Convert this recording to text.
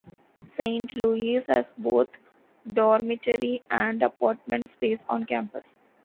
Saint Louis has both dormitory and apartment space on-campus.